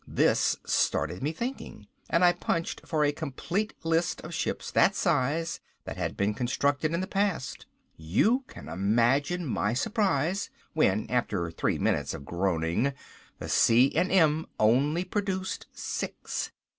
This started me thinking and I punched for a complete list of ships that size that had been constructed in the past. You can imagine my surprise when, after three minutes of groaning, the C & M only produced six.